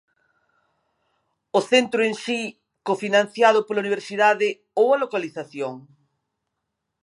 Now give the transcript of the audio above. ¿O centro en si, cofinanciado pola universidade, ou a localización?